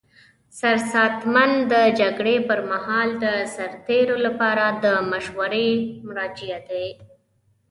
سرساتنمن د جګړې پر مهال د سرتیرو لپاره د مشورې مرجع دی.